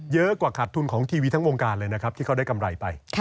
เยอะกว่าขาดทุนของทีวีทั้งวงการเลยนะครับที่เขาได้กำไรไป